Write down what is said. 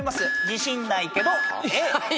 自信ないけどＡ。